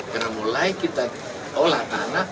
karena mulai kita olah tanah